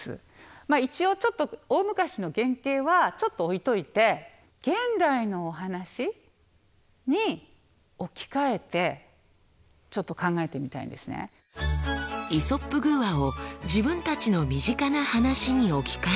まあ一応ちょっと大昔の原型はちょっと置いといて「イソップ寓話」を自分たちの身近な話に置き換えると。